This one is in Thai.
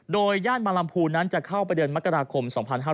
โดยย่านมาลำพูนั้นจะเข้าไปเดือนมกราคม๒๕๕๙